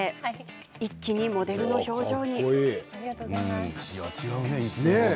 一気にモデルの表情に。